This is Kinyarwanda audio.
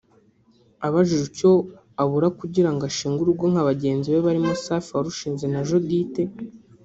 Abajijwe icyo abura kugirango ashinge urugo nka bagenzi be barimo Safi warushinze na Judithe